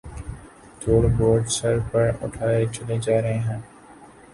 توڑ بوجھ سر پر اٹھائے چلے جا رہے ہیں